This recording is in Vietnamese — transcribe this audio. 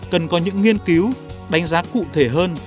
cần có những nghiên cứu đánh giá cụ thể hơn